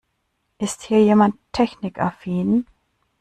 Ist hier jemand technikaffin?